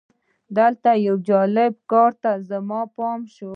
دلته یو جالب کار ته زما پام شو.